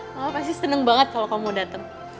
mama pasti seneng banget kalo kamu dateng